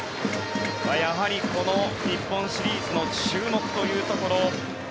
やはりこの日本シリーズの注目というところ。